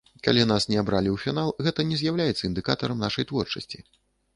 Калі нас не абралі ў фінал, гэта не з'яўляецца індыкатарам нашай творчасці.